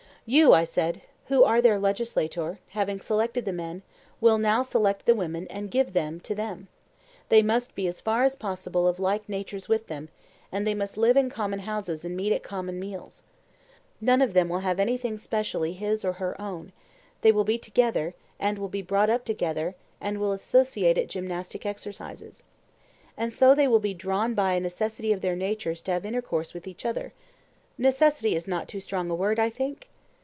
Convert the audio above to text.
You, I said, who are their legislator, having selected the men, will now select the women and give them to them;—they must be as far as possible of like natures with them; and they must live in common houses and meet at common meals. None of them will have anything specially his or her own; they will be together, and will be brought up together, and will associate at gymnastic exercises. And so they will be drawn by a necessity of their natures to have intercourse with each other—necessity is not too strong a word, I think?